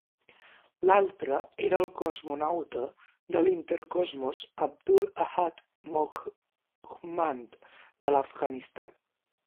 L'altre era el cosmonauta de l'Interkosmos Abdul Ahad Mohmand de l'Afganistan.